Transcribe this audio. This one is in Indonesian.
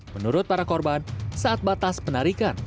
menurut para korban saat batas penarikan